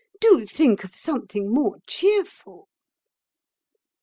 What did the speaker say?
Do think of something more cheerful."